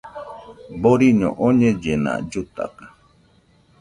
Boriño oñellena, llutaka